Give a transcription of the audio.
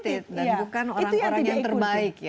dan tidak excited dan bukan orang orang yang terbaik